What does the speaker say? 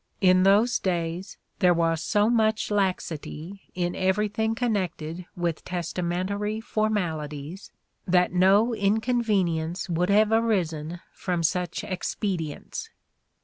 ... In those days there was so much laxity in everything connected with testamentary formalities that no inconvenience would have arisen from such expedients.